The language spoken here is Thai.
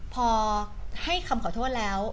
พอให้คำขอโทษแล้ว